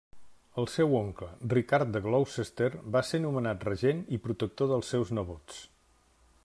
El seu oncle, Ricard de Gloucester, va ser nomenat regent i protector dels seus nebots.